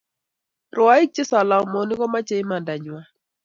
Rwaik che salamonik komache imandanywan